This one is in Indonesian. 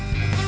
di tempat ini